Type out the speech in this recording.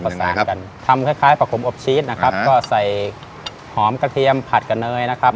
พร้อมประสาทกันทำคล้ายผักขมอบชีสนะครับก็ส่อยหอมกระเทียมผัดกับเนยครับ